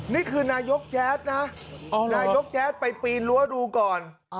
นี่คือนายกแจ๊ดนะนายกแจ๊ดไปปีนรั้วดูก่อน